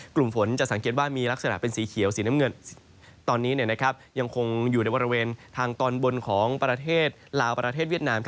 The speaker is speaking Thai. กลุ่มฝนจะสังเกตว่ามีลักษณะเป็นสีเขียวสีน้ำเงินตอนนี้ยังคงอยู่ในบริเวณทางตอนบนของประเทศลาวประเทศเวียดนาม